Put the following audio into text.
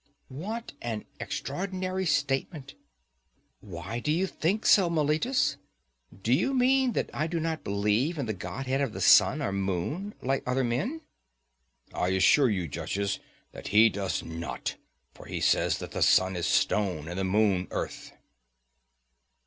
What an extraordinary statement! Why do you think so, Meletus? Do you mean that I do not believe in the godhead of the sun or moon, like other men? I assure you, judges, that he does not: for he says that the sun is stone, and the moon earth.